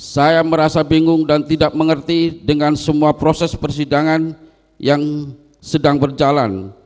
saya merasa bingung dan tidak mengerti dengan semua proses persidangan yang sedang berjalan